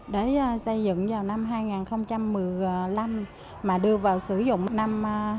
để xây dựng vào năm hai nghìn một mươi năm mà đưa vào sử dụng năm hai nghìn một mươi bảy